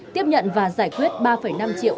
tiếp nhận và giải quyết ba năm triệu